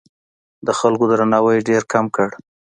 د خلکو درناوی ډېر کم کړ.